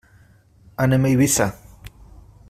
Anem a Eivissa.